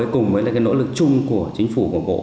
cùng với nỗ lực chung của chính phủ của bộ